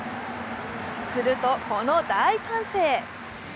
すると、この大歓声。